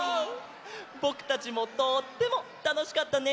ぼくたちもとってもたのしかったね！